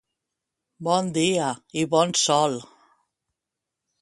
Bon dia i bon sol!